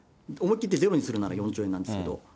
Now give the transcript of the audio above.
思い切ってゼロにするなら４兆円なんですけれども。